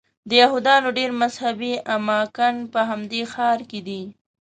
د یهودانو ډېر مذهبي اماکن په همدې ښار کې دي.